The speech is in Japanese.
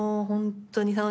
本当に。